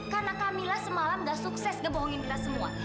karena kamila semalam gak sukses ngebohongin kita semua